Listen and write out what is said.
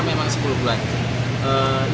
ini memang sepuluh bulan